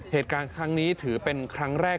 เหตุการณ์ครั้งนี้ถือเป็นครั้งแรก